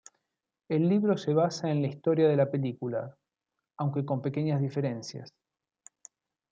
El libro se basa en la historia de la película, aunque con pequeñas diferencias.